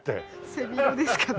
背広ですかね。